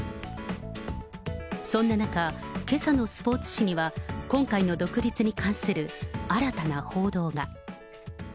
そんな中、けさのスポーツ紙には、今回の独立に関する新たな報道が。